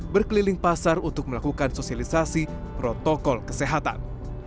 berkeliling pasar untuk melakukan sosialisasi protokol kesehatan